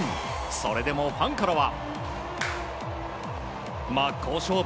それでもファンからは。